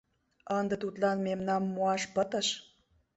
— Ынде тудлан мемнам муаш пытыш...